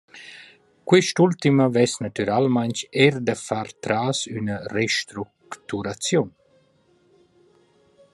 Quist’ultima vess natüralmaing eir da far tras üna restructuraziun.